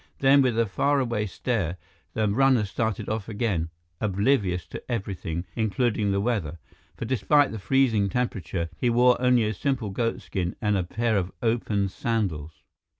Then, with a faraway stare, the runner started off again, oblivious to everything including the weather, for despite the freezing temperature, he wore only a simple goat skin and a pair of open sandals.